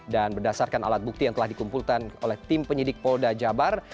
dan berdasarkan alat bukti yang telah dikumpulkan oleh tim penyidik polda jabar